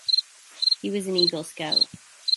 He was an Eagle Scout.